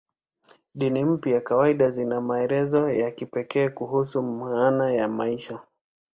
Dini mpya kawaida zina maelezo ya kipekee kuhusu maana ya maisha.